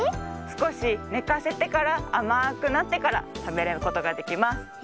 すこしねかせてからあまくなってからたべることができます。